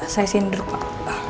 saya sindur pak